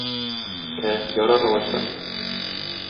Ә, ярар алайса.